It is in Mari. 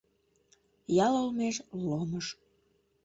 Ял олмеш — ломыж.